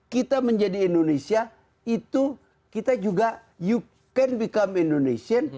kita menjadi indonesia itu kita juga bisa menjadi orang indonesia